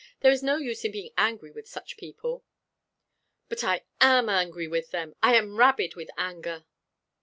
"There is no use in being angry with such people." "But I am angry with them. I am rabid with anger."